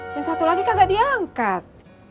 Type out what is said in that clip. yang satu lagi kagak diangkat